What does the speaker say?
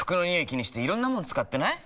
気にしていろんなもの使ってない？